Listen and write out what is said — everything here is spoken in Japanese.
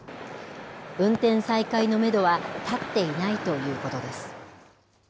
運転再開のメドは立っていないということです。